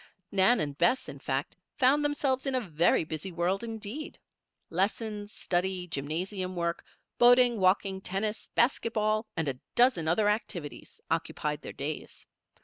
Nan and Bess, in fact, found themselves in a very busy world indeed. Lessons, study, gymnasium work, boating, walking, tennis, basket ball, and a dozen other activities, occupied their days.